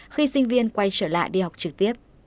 khi sinh viên quay trở lại đi học trực tiếp